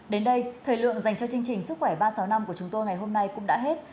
đến đây thời lượng dành cho chương trình sức khỏe ba trăm sáu mươi năm của chúng tôi ngày hôm nay cũng đã hết